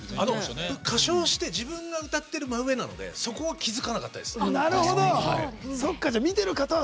歌唱して自分が歌っている真上なのでそこは気付かなかったです。